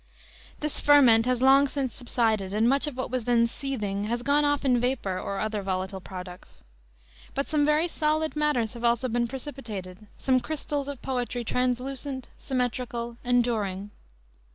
This ferment has long since subsided and much of what was then seething has gone off in vapor or other volatile products. But some very solid matters also have been precipitated, some crystals of poetry translucent, symmetrical, enduring.